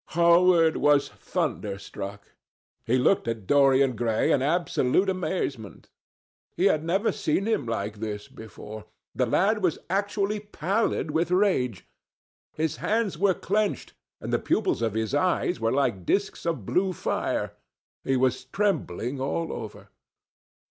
Hallward was thunderstruck. He looked at Dorian Gray in absolute amazement. He had never seen him like this before. The lad was actually pallid with rage. His hands were clenched, and the pupils of his eyes were like disks of blue fire. He was trembling all over.